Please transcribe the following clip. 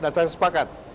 dan saya sepakat